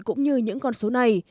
cũng như những con số này